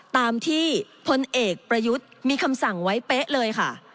ตามที่พลเอกประยุทธ์มีคำสั่งไว้เป๊ะเลยค่ะ